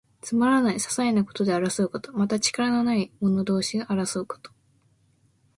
つまらない、ささいなことで争うこと。また、力のない者同士が争うこと。